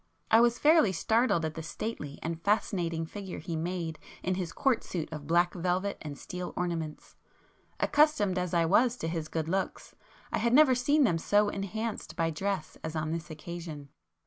I was fairly startled at the stately and fascinating figure he made in his court suit of black velvet and steel ornaments; accustomed as I was to his good looks, I had never seen them so enhanced by dress as on this occasion.